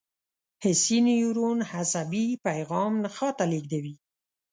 حسي نیورون عصبي پیغام نخاع ته لېږدوي.